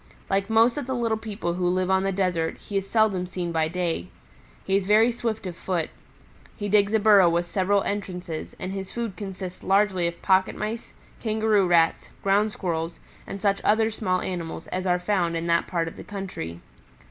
Like most of the little people who live on the desert, he is seldom seen by day. He is very swift of foot. He digs a burrow with several entrances and his food consists largely of Pocket Mice, Kangaroo Rats, Ground squirrels and such other small animals as are found in that part of the country.